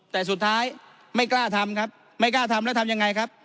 แต่สุดท้ายไม่กล้าทำครับไม่กล้าทำแล้วทำยังไงครับ